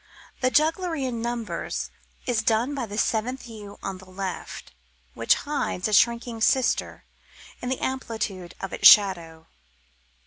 The jugglery in numbers is done by the seventh yew on the left, which hides a shrinking sister in the amplitude of its shadow.